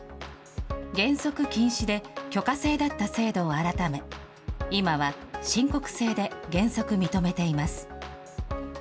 原則禁止で許可制だった制度を改め、今は申告制で原則認めています。